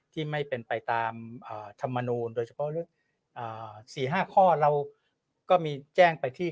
ที่ไม่เป็นไปตามอ่าธรรมนูนโดยเฉพาะอ่าสี่ห้าข้อเราก็มีแจ้งไปที่